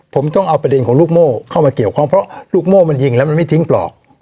ผมต้องเอาประเด็นของลูกโม่เข้ามาเกี่ยวข้องเพราะลูกโม่มันยิงแล้วมันไม่ทิ้งปลอก